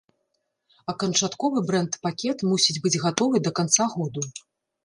А канчатковы брэнд-пакет мусіць быць гатовы да канца году.